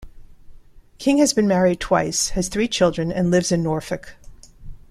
King has been married twice, has three children and lives in Norfolk.